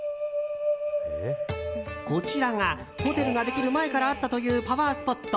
こちらがホテルができる前からあったというパワースポット